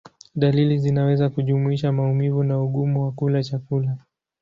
Dalili zinaweza kujumuisha maumivu na ugumu wa kula chakula.